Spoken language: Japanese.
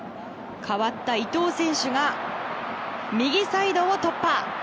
代わった伊東選手が右サイドを突破。